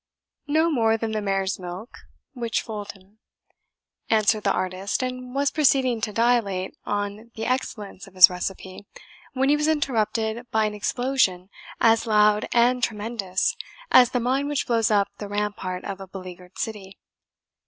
"No more than the mare's milk; which foaled him," answered the artist, and was proceeding to dilate on the excellence of his recipe when he was interrupted by an explosion as loud and tremendous as the mine which blows up the rampart of a beleaguered city.